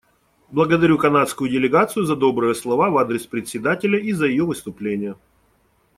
Благодарю канадскую делегацию за добрые слова в адрес Председателя и за ее выступление.